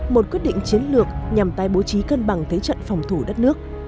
một quyết định chiến lược nhằm tay bố trí cân bằng thế trận phòng thủ đất nước